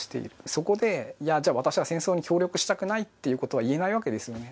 そこで、いやじゃあ私は戦争に協力したくないということは言えないわけですよね。